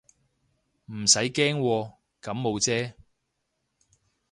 唔使驚喎，感冒啫